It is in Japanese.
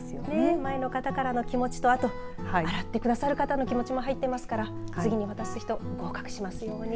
前の方からの気持ちとあと洗ってくださる方の気持ちも入ってますから次に渡す人合格しますように。